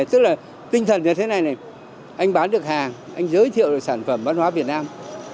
tức là tinh thần như thế này này anh bán được hàng anh giới thiệu được sản phẩm văn hóa việt nam